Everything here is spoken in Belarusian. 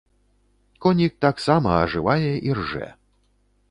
Конік таксама ажывае і ржэ.